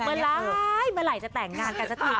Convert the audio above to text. เมอลล้ายเมอล่ายจะแต่งงานกันสักทีคุณผู้ชมค่ะ